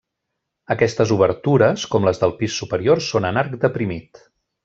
Aquestes obertures, com les del pis superior són en arc deprimit.